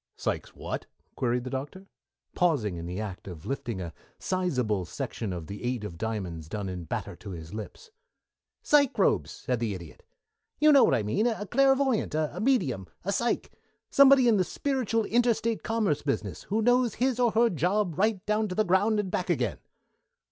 "Sike whats?" queried the Doctor, pausing in the act of lifting a sizable section of the eight of diamonds done in batter to his lips. "Psychrobes," said the Idiot. "You know what I mean a clairvoyant, a medium, a sike somebody in the spiritual inter State commerce business, who knows his or her job right down to the ground and back again."